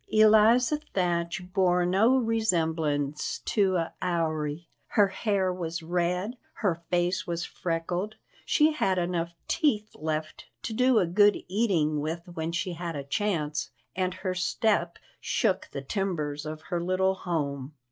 Eliza Thatch bore no resemblance to a houri; her hair was red, her face was freckled; she had enough teeth left to do good eating with when she had a chance, and her step shook the timbers of her little home.